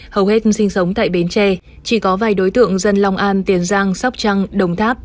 hầu hết sinh sống tại bến tre chỉ có vài đối tượng dân long an tiền giang sóc trăng đồng tháp